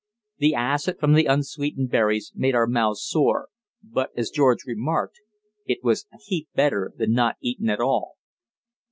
The acid from the unsweetened berries made our mouths sore, but, as George remarked, "it was a heap better than not eatin' at all."